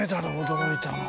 驚いたの。